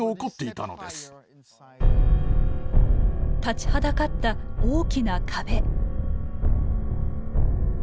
立ちはだかった大きな壁。